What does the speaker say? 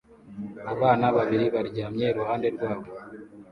Abana babiri baryamye iruhande rwabo